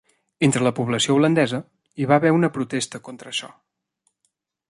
Entre la població holandesa hi va haver una protesta contra això.